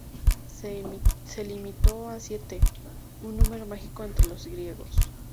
Se limitó a siete, un número mágico entre los griegos.